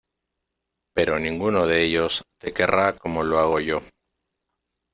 Pero ninguno de ellos te querrá como lo hago yo.